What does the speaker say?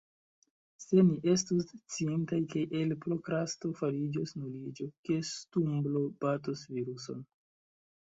Se ni estus sciintaj ke el prokrasto fariĝos nuliĝo, ke stumblo batos viruson…